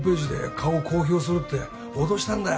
「顔を公表する」って脅したんだよ